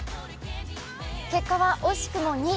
結果は惜しくも２位。